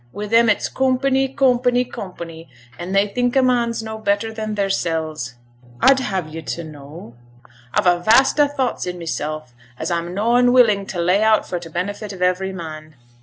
Wi' them it's "coompany, coompany, coompany," an' they think a man's no better than theirsels. A'd have yo' to know a've a vast o' thoughts in myself', as I'm noane willing to lay out for t' benefit o' every man.